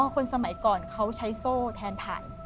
คนสมัยก่อนเขาใช้โซ่แทนไผ่